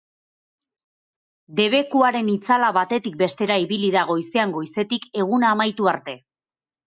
Debekuaren itzala batetik bestera ibili da goizean goizetik eguna amaitu arte.